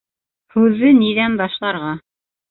Һүҙҙе ниҙән башларға?